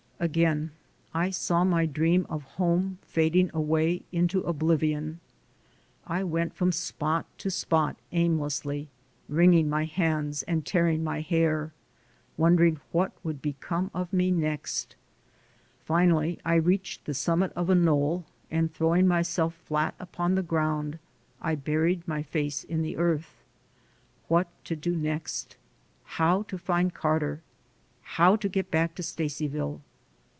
Again I saw my dream of home fading away into oblivion. I went from spot to spot aimlessly, wringing my hands and tearing my hair, wondering what would become of me next. Finally I reached the summit of a knoll, and throwing myself flat upon the ground, I buried my face in the earth. What to do next? How to find Carter? How to get back to Stacy ville?